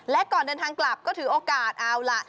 และก่อนเดินทางกลับก็ถือโอกาสเอาล่ะ